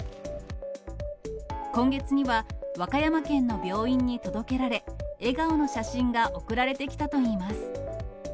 今月には、和歌山県の病院に届けられ、笑顔の写真が送られてきたといいます。